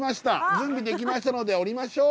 準備できましたので降りましょう。